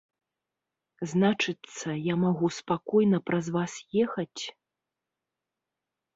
Значыцца, я магу спакойна праз вас ехаць?